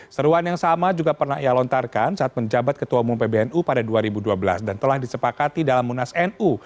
seruan yang sama juga pernah ia lontarkan saat menjabat ketua umum pbnu pada dua ribu dua belas dan telah disepakati dalam munas nu